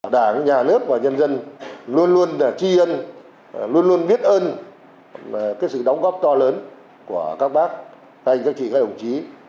đảng nhà nước và nhân dân luôn luôn tri ân luôn luôn biết ơn sự đóng góp to lớn của các bác các anh các chị các đồng chí